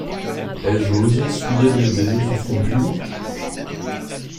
Ai-je osé souiller de mes baisers ce front pur?